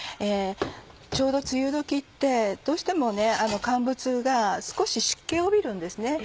ちょうど梅雨時ってどうしても乾物が少し湿気を帯びるんですね。